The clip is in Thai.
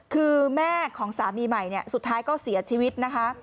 คือแม่ของสามีใหม่เนี่ยสุดท้ายก็เสียชีวิตนะคะ